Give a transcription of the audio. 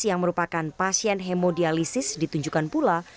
yang merupakan pasien hemodialisis ditunjukkan pula